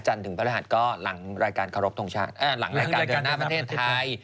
จันทร์ถึงพระราชก็หลังรายการเดินหน้าประเทศไทย